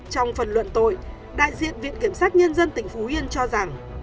trong phần luận tội đại diện viện kiểm sát nhân dân tỉnh phú yên cho rằng